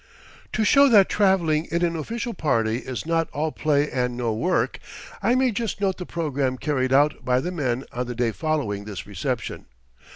To show that traveling in an official party is not "all play and no work," I may just note the program carried out by the men on the day following this reception.